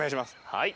はい。